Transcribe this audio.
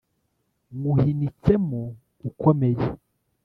Nywuhinitsemo ukomeye